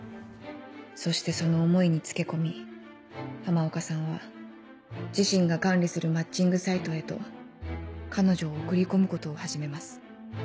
そしてその思いにつけ込み浜岡さんは自身が管理するマッチングサイトへと彼女を送り込むことを始めます。